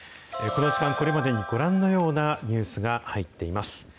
この時間、これまでにご覧のようなニュースが入っています。